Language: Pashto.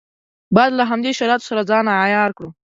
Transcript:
باید له همدې شرایطو سره ځان عیار کړو.